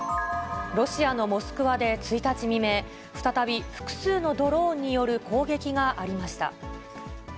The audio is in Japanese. ロシアのモスクワで１日未明、再び複数のドローンによる攻撃がありました。